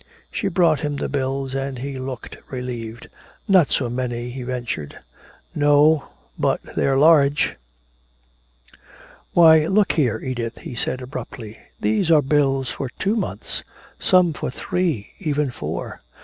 She brought him the bills and he looked relieved. "Not so many," he ventured. "No, but they're large." "Why, look here, Edith," he said abruptly, "these are bills for two months some for three, even four!"